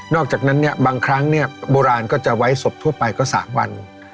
นอกจากนั้นบางครั้งโบราณจะไว้สบทั่วไปสามวัน